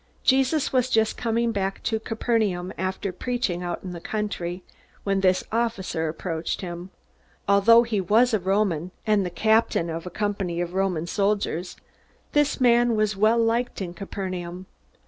Jesus was just coming back to Capernaum after preaching out in the country, when this officer approached him. Although he was a Roman, and the captain of a company of Roman soldiers, this man was well liked in Capernaum.